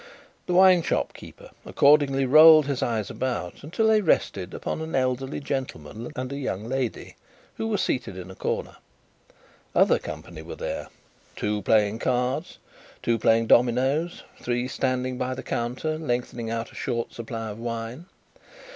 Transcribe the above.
The wine shop keeper accordingly rolled his eyes about, until they rested upon an elderly gentleman and a young lady, who were seated in a corner. Other company were there: two playing cards, two playing dominoes, three standing by the counter lengthening out a short supply of wine.